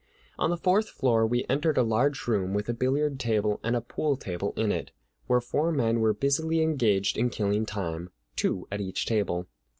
On the fourth floor we entered a large room with a billiard table and a pool table in it, where four men were busily engaged in killing time, two at each table.